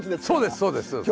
そうですそうです。